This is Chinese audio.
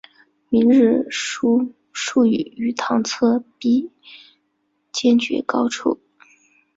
明日书数语于堂侧壁间绝高处。